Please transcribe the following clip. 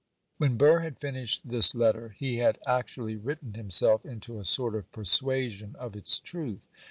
When Burr had finished this letter, he had actually written himself into a sort of persuasion of its truth.